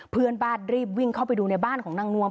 เพื่อนบ้านรีบวิ่งเข้าไปดูในบ้านของนางนวม